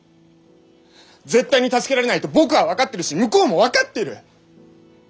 絶対に助けられないと僕は分かっているし向こうも分かってる！